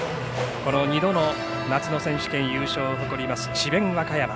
この２度の夏の選手権優勝を誇ります、智弁和歌山。